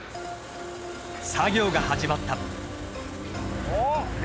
作業が始まった。